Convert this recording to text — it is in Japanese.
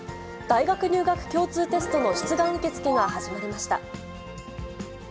大学入学共通テストの出願受け付けが始まりました。